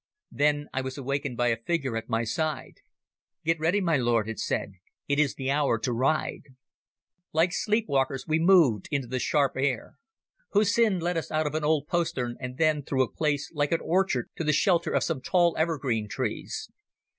Then I was awakened by a figure at my side. "Get ready, my lord," it said; "it is the hour to ride." Like sleep walkers we moved into the sharp air. Hussin led us out of an old postern and then through a place like an orchard to the shelter of some tall evergreen trees.